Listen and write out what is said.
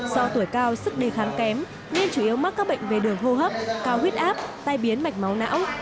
do tuổi cao sức đề kháng kém nên chủ yếu mắc các bệnh về đường hô hấp cao huyết áp tai biến mạch máu não